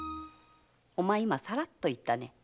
お前今サラッと言ったね？